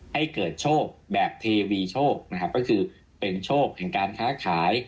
ให้เกิดโชคแบบเทวีโชคนะครับก็คือเป็นโชคแห่งการค้าขาย